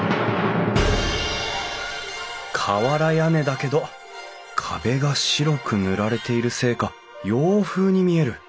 瓦屋根だけど壁が白く塗られているせいか洋風に見える。